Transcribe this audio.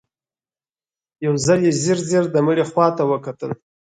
يو ځل يې ځير ځير د مړي خواته وکتل.